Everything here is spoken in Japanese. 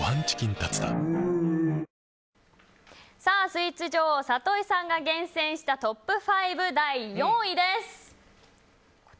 スイーツ女王里井さんが厳選したトップ５、第４位です。